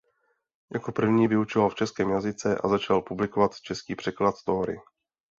Jako první vyučoval v českém jazyce a začal publikovat český překlad Tóry.